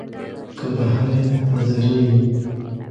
کۀ د هرې نظرئې وي